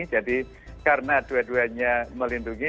jadi karena dua duanya melindungi